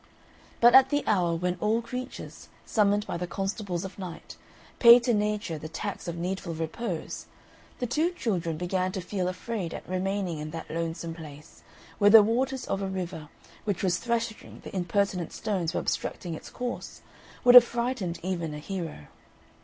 But at the hour when all creatures, summoned by the constables of Night, pay to Nature the tax of needful repose, the two children began to feel afraid at remaining in that lonesome place, where the waters of a river, which was thrashing the impertinent stones for obstructing its course, would have frightened even a hero.